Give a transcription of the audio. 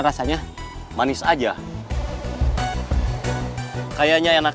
terus nyuruh dia duduk